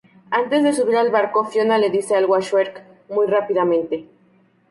Antes de subir al barco Fiona le dice algo a Shrek muy rápidamente.